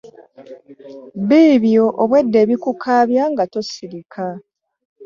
Biibyo obwedda ebikukaabya nga tosirika.